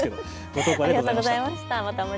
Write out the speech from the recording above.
投稿ありがとうございました。